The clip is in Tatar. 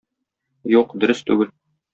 Юк, дөрес түгел.